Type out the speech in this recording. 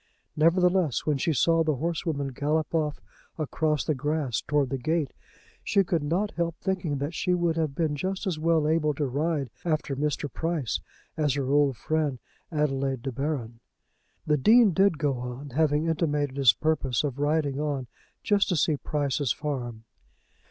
Nevertheless, when she saw the horsewoman gallop off across the grass towards the gate, she could not help thinking that she would have been just as well able to ride after Mr. Price as her old friend Adelaide de Baron. The Dean did go on, having intimated his purpose of riding on just to see Price's farm.